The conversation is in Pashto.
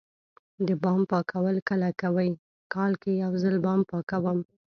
د بام پاکول کله کوئ؟ کال کې یوځل بام پاکوم